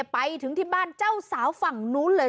ไปถึงที่บ้านเจ้าสาวฝั่งนู้นเลย